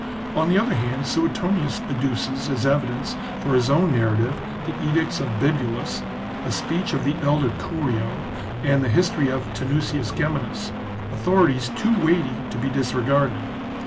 On the other hand, Suetonius adduces as evidence for his own narrative the edicts of Bibulus, a speech of the elder Curio, and the his tory of Tanusius Geminus, authorities too weighty to XXIV INTRODUCTION TO THE be disregarded.